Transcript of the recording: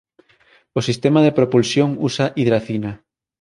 O sistema de propulsión usa hidracina.